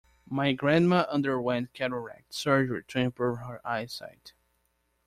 My grandma underwent cataract surgery to improve her eyesight.